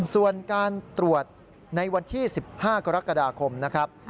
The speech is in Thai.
ส่วนการตรวจในวันที่๑๕กรกฎาคมนะครับ